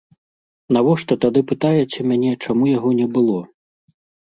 Навошта тады пытаеце мяне, чаму яго не было?